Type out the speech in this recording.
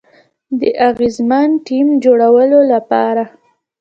د اغیزمن ټیم جوړولو لپاره